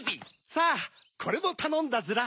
さぁこれもたのんだヅラ。